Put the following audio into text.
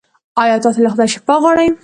ایا تاسو له خدایه شفا غواړئ؟